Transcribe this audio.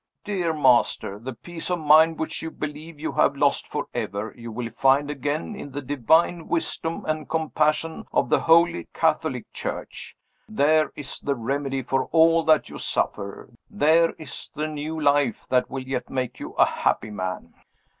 Dear master, the peace of mind, which you believe you have lost forever, you will find again in the divine wisdom and compassion of the holy Catholic Church. There is the remedy for all that you suffer! There is the new life that will yet make you a happy man!"